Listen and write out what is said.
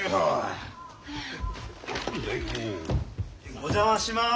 お邪魔します。